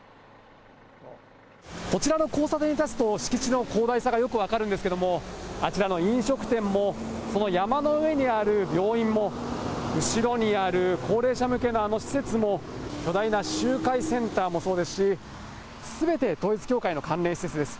こちらの交差点に立つと、敷地の広大さがよく分かるんですけれども、あちらの飲食店も、この山の上にある病院も、後ろにある高齢者向けのあの施設も、巨大な集会センターもそうですし、すべて統一教会の関連施設です。